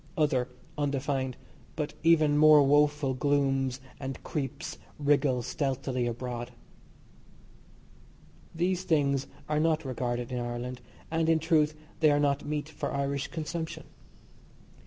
Other, undefined, but even more woeful glooms and creeps, wriggle stealthily abroad. These things are not regarded in Ireland, and, in truth, they are not meat for Irish consumption.